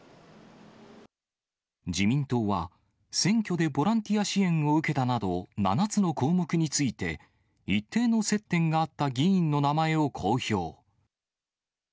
自民党は、選挙でボランティア支援を受けたなど、７つの項目について、一定の接点があった議員の名前を公表。